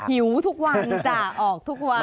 หิวทุกวันจ้ะออกทุกวัน